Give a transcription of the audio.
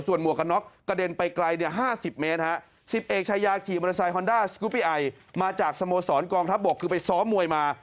หมวกกันน็อกกระเด็นไปไกล๕๐เมตร๑๐เอกชายาขี่มอเตอร์ไซคอนด้าสกุปปี้ไอมาจากสโมสรกองทัพบกคือไปซ้อมมวยมา